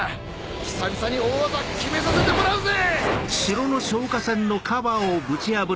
久々に大技決めさせてもらうぜ！